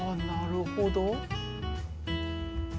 なるほど。